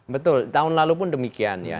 betul tahun lalu pun demikian ya